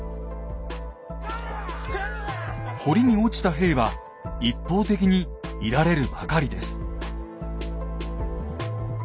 堀に落ちた兵は一方的に射られるばかりです。